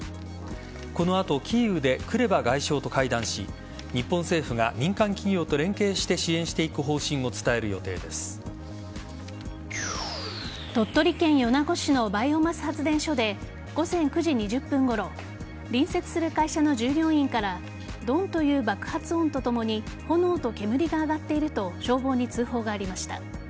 この後、キーウでクレバ外相と会談し日本政府が民間企業と連携して支援していく方針を鳥取県米子市のバイオマス発電所で午前９時２０分ごろ隣接する会社の従業員からドンという爆発音とともに炎と煙が上がっていると消防に通報がありました。